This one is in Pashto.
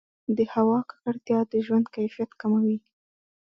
د هوا ککړتیا د ژوند کیفیت کموي.